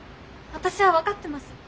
私は分かってます。